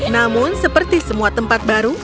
namun seperti semua tempat baru